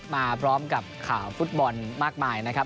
มาพร้อมกับข่าวฟุตบอลมากมายนะครับ